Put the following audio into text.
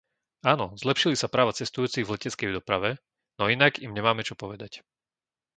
Áno, zlepšili sa práva cestujúcich v leteckej doprave, no inak im nemáme čo povedať.